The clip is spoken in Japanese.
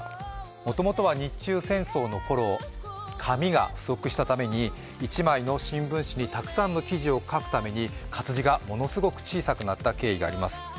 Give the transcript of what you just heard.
もともとは日中戦争のころ、紙が不足したために、１枚の新聞紙にたくさんの記事を書くために活字がものすごく小さくなった経緯があります